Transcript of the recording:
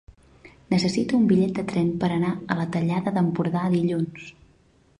Necessito un bitllet de tren per anar a la Tallada d'Empordà dilluns.